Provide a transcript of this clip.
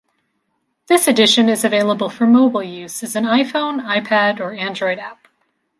This edition is available for mobile use as an iPhone, iPad, or Android app.